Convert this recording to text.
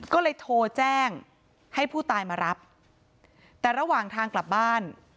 ก็เลยโทรแจ้งให้ผู้ตายมารับแต่ระหว่างทางกลับบ้าน